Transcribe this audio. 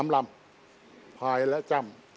๓ลำพายและจ้ำ